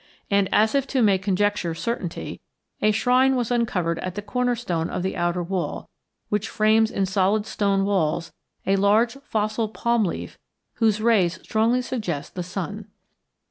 And, as if to make conjecture certainty, a shrine was uncovered on the corner stone of the outer wall which frames in solid stone walls a large fossil palm leaf whose rays strongly suggest the sun!